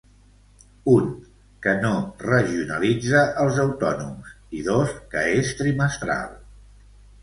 Un, que no ‘regionalitza’ els autònoms i, dos, que és trimestral.